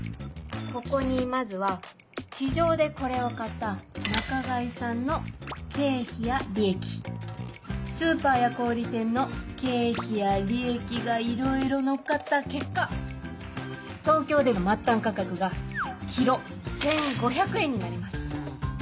ここにまずは市場でこれを買った仲買さんの経費や利益スーパーや小売店の経費や利益がいろいろ乗っかった結果東京での末端価格がｋｇ１５００円になります。